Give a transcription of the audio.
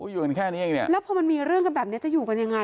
อยู่กันแค่นี้แล้วพอมันมีเรื่องกันแบบนี้จะอยู่กันอย่างไร